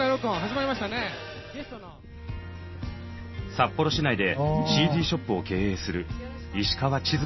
札幌市内でＣＤショップを経営する石川千鶴子さん。